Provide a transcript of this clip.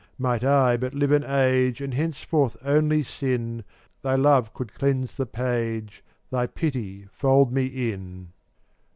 Might I but live an age And henceforth only sin, Thy love could cleanse the page, Thy pity fold me in.